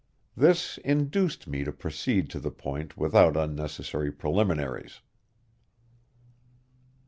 This induced me to proceed to the point without unnecessary preliminaries.